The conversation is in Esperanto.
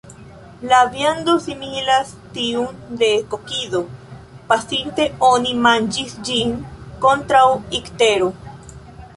La viando similas tiun de kokido; pasinte oni manĝis ĝin kontraŭ iktero.